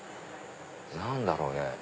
何だろうね？